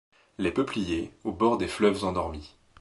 Les peupliers, au bord des fleuves endormis